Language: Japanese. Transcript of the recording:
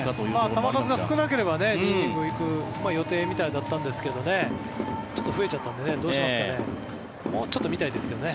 球数が少なければ２イニング行く予定だったそうですがちょっと増えちゃったのでどうしますかね。